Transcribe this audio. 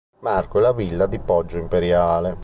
Marco e la Villa di Poggio Imperiale.